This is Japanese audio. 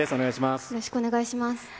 よろしくお願いします。